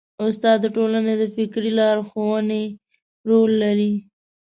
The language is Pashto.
استاد د ټولنې د فکري لارښودۍ رول لري.